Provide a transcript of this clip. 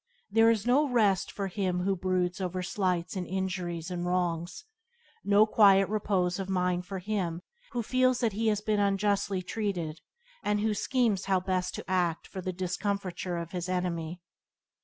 There is no rest for him who broods over slights and injuries and wrongs; no quiet repose of mind for him who feels that he has been unjustly treated, and who schemes how best to act for the discomfiture of his enemy.